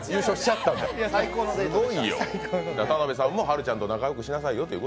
田辺さんもはるちゃんと仲良くしなさいよと。